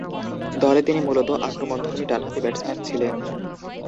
দলে তিনি মূলতঃ আক্রমণধর্মী ডানহাতি ব্যাটসম্যান ছিলেন।